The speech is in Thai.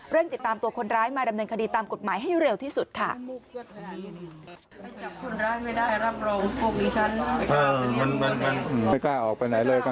ติดตามตัวคนร้ายมาดำเนินคดีตามกฎหมายให้เร็วที่สุดค่ะ